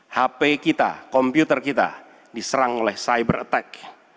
hp kita komputer kita diserang oleh cyber attack